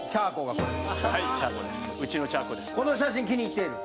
この写真気に入ってんの？